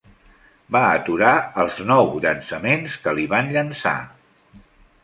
Va aturar els nou llançaments que li van llençar.